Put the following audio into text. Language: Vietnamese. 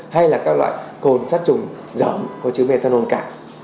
hay là các loại cồn sắt trùng giỏm có chứa methanol cả